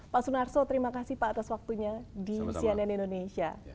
pak sunarso terima kasih pak atas waktunya di cnn indonesia